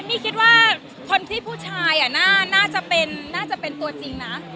เอ็มมี่คิดว่าคนที่ผู้ชายน่าจะเป็นตัวจริงนะ